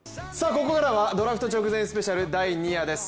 ここからは、ドラフト直前スペシャル第２夜です。